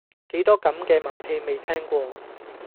幾多咁嘅馬屁未聽過